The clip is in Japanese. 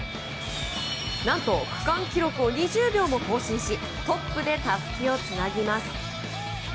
何と区間記録を２０秒も更新しトップで、たすきをつなぎます。